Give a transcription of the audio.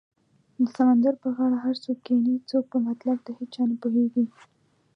د سمندر په غاړه هر څوک کینې څوک په مطلب د هیچا نه پوهیږې